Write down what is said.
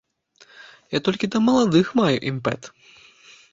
Я толькі да маладых маю імпэт.